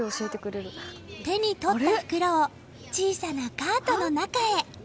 手に取った袋を小さなカートの中へ。